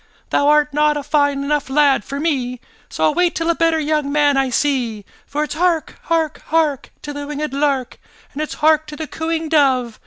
Thou art not a fine enough lad for me, So I'll wait till a better young man I see. For it's hark! hark! hark! To the winged lark, And it's hark to the cooing dove!